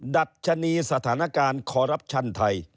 ดัชนีสถานการณ์คอรัปชั่นไทย